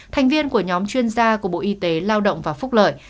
thành viên của nhóm chuyên gia của bộ y tế lao động và phúc lợi